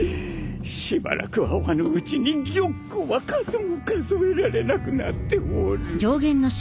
しばらく会わぬうちに玉壺は数も数えられなくなっておる。